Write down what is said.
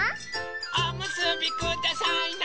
おむすびくださいな！